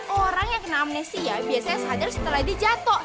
orang yang kena amnesia biasanya sadar setelah dia jatuh